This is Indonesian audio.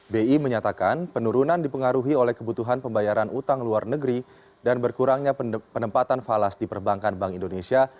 bi menyatakan penurunan dipengaruhi oleh kebutuhan pembayaran utang luar negeri dan berkurangnya penempatan falas di perbankan bank indonesia